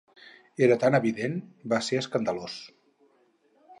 Era tan evident… Va ser escandalós.